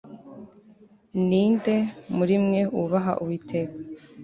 Ni nde muri mwe wubaha Uwiteka